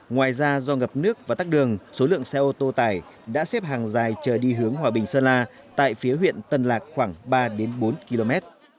ngoài ra do ngập nước và tắt đường số lượng xe ô tô tải đã xếp hàng dài chờ đi hướng hòa bình sơn la tại phía huyện tân lạc khoảng ba bốn km